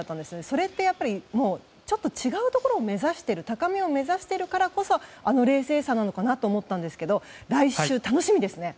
それってやはり違うところを目指している高みを目指しているからこそあの冷静さなのかなと思ったんですけど来週、楽しみですね。